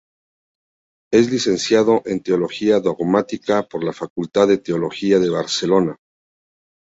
Es licenciado en Teología Dogmática por la Facultad de Teología de Barcelona.